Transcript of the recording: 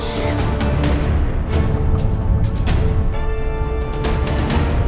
sampai jumpa lagi